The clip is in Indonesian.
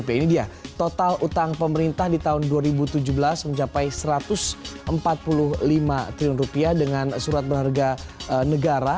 ini dia total utang pemerintah di tahun dua ribu tujuh belas mencapai rp satu ratus empat puluh lima triliun dengan surat berharga negara